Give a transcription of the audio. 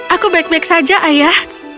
aku baik baik saja ayah